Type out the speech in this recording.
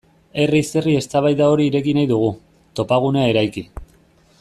Herriz herri eztabaida hori ireki nahi dugu, topagunea eraiki.